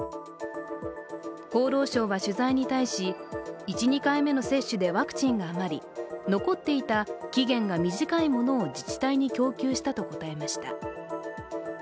厚労省は取材に対し１・２回目の接種でワクチンが余り、残っていた期限が短いものを自治体に供給したと答えました。